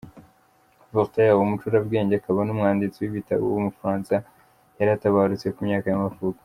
Voltaire, umucurabwenge akaba n’umwanditsi w’ibitabo w’umufaransa yaratabarutse, ku myaka y’amavuko.